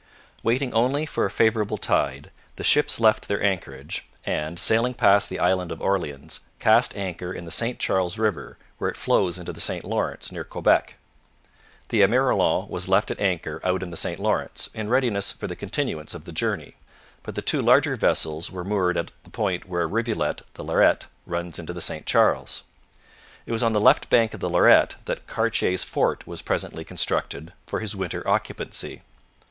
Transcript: Waiting only for a favourable tide, the ships left their anchorage, and, sailing past the Island of Orleans, cast anchor in the St Charles river, where it flows into the St Lawrence near Quebec. The Emerillon was left at anchor out in the St Lawrence, in readiness for the continuance of the journey, but the two larger vessels were moored at the point where a rivulet, the Lairet, runs into the St Charles. It was on the left bank of the Lairet that Cartier's fort was presently constructed for his winter occupancy.